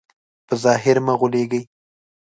په ظاهر مه غولېږئ.